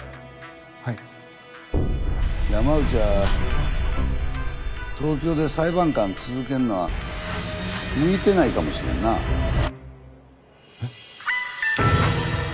はい山内は東京で裁判官続けるのは向いてないかもしれんなあえっ？